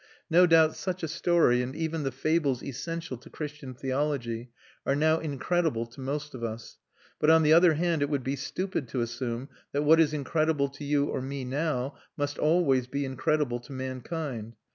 No doubt such a story, and even the fables essential to Christian theology, are now incredible to most of us. But on the other hand it would be stupid to assume that what is incredible to you or me now must always be incredible to mankind.